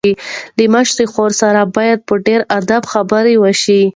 له مشرې خور سره باید په ډېر ادب خبرې وشي.